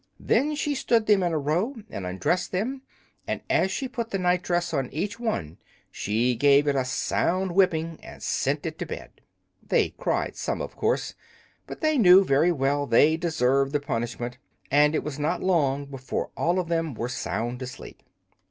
Then she stood them in a row and undressed them, and as she put the night dress on each one she gave it a sound whipping and sent it to bed. They cried some, of course, but they knew very well they deserved the punishment, and it was not long before all of them were sound asleep.